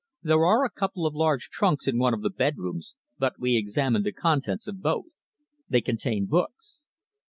There are a couple of large trunks in one of the bedrooms, but we examined the contents of both. They contain books."